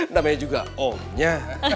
namanya juga omnya